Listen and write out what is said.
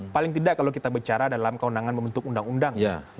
paling tidak kalau kita bicara dalam keundangan membentuk undang undang